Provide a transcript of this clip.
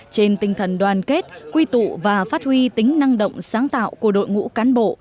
trên tinh thần đoàn kết quy tụ và phát huy tính năng động sáng tạo của đội ngũ cán bộ